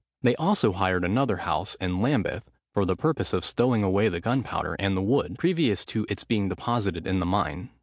They also hired another house, in Lambeth, for the purpose of stowing away the gunpowder and the wood, previous to its being deposited in the mine.